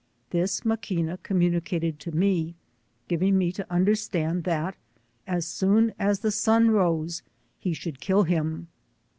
This Ma quina communicated to me, giving me to under gtand thai as soon as the sun rose he should kill him.